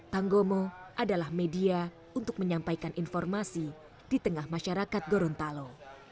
tanggomo adalah media untuk menyampaikan informasi di tengah masyarakat gorontalo